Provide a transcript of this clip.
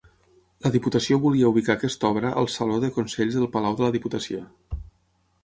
La Diputació volia ubicar aquesta obra al Saló de Consells del Palau de la Diputació.